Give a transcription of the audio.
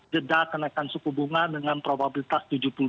jeda kenaikan suku bunga dengan probabilitas tujuh puluh dua